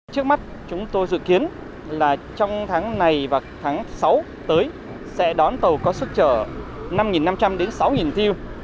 trước mắt chúng tôi dự kiến là trong tháng này và tháng sáu tới sẽ đón tàu có sức trở năm năm trăm linh đến sáu thiêu